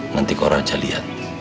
nanti kalau raja liat